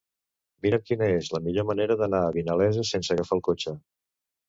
Mira'm quina és la millor manera d'anar a Vinalesa sense agafar el cotxe.